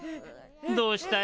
どうしたい？